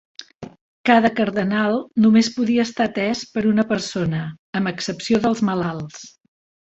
Cada cardenal només podia estar atès per una persona, amb excepció dels malalts.